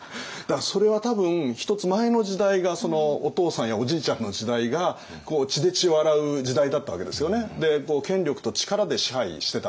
それは多分１つ前の時代がお父さんやおじいちゃんの時代が血で血を洗う時代だったわけですよね。